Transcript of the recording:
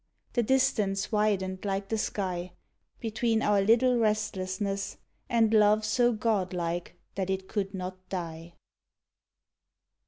The distance widened like the sky, Between our little restlessness, And Love so godlike that it could not die.